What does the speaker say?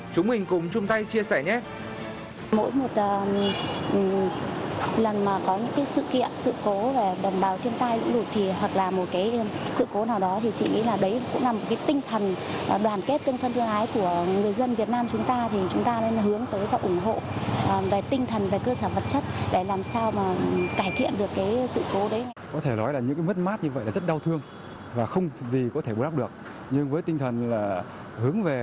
chúng mình cùng chung tay chia sẻ nhé